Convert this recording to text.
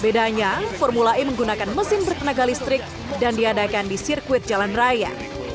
bedanya formula e menggunakan mesin bertenaga listrik dan diadakan di sirkuit jalan raya